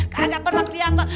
kagak pernah kelihatan